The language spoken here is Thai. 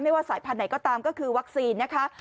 ว่าสายพันธุ์ไหนก็ตามก็คือวัคซีนนะคะ